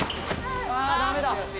あダメだ。